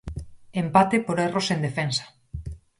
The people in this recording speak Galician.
Empate por erros en defensa.